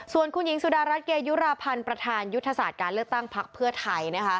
ส่วนคุณหญิงสุดารัฐเกยุราพันธ์ประธานยุทธศาสตร์การเลือกตั้งพักเพื่อไทย